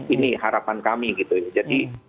ini harapan kami gitu jadi